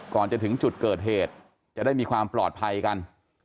ก่อนจะถึงจุดเกิดเหตุจะได้มีความปลอดภัยกัน